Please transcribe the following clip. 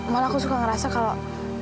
malah aku suka ngerasa kalau